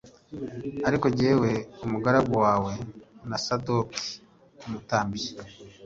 Ariko jyewe umugaragu wawe na Sadoki umutambyi